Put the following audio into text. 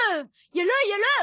やろうやろう！